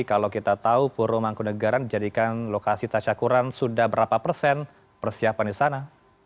kalau kita tahu puro mangkun degaran menjadikan lokasi tasya kuran sudah berapa persen persiapan di sana